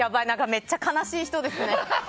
めっちゃ悲しい人ですね。